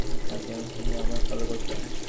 আর এখন তুমি কেনো আমাকে ফলো করছো?